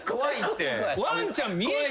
ワンちゃん見えた？